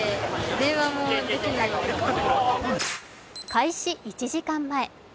開始１時間前。